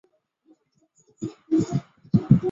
石英石矿藏丰富。